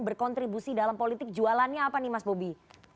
berkontribusi dalam politik jualannya apa nih mas bobi